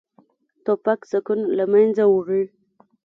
توپک سکون له منځه وړي.